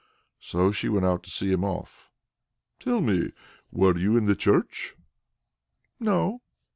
So she went out to see him off. "Tell me; were you in the church?" "No."